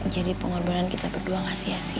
jadi pengorbanan kita berdua gak sia sia